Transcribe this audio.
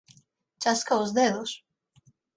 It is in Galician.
Chasca os dedos.